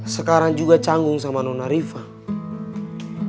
sekarang juga canggung sama nona riva